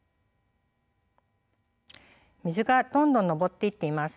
水がどんどん上っていっています。